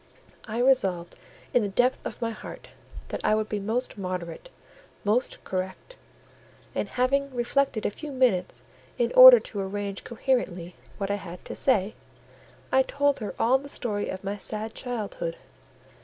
I resolved, in the depth of my heart, that I would be most moderate—most correct; and, having reflected a few minutes in order to arrange coherently what I had to say, I told her all the story of my sad childhood.